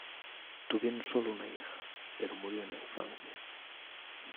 Tuvieron solo una hija, pero murió en la infancia.